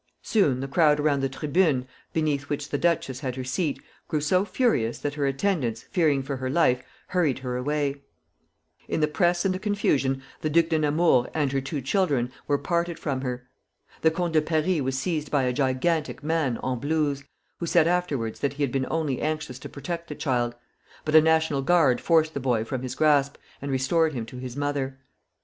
Soon the crowd around the tribune, beneath which the duchess had her seat, grew so furious that her attendants, fearing for her life, hurried her away. In the press and the confusion the Duc de Nemours and her two children were parted from her. The Comte de Paris was seized by a gigantic man en blouse, who said afterwards that he had been only anxious to protect the child; but a National Guard forced the boy from his grasp, and restored him to his mother.